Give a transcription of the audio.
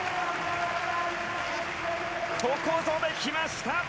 ここぞできました。